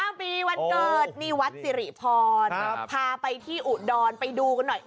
อ๋อวันเกิดหรอ๕๙ปีวันเกิดนี่วัดสิริพรพาไปที่อุดรไปดูกันหน่อย